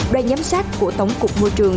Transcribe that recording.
đoàn giám sát của tổng cục môi trường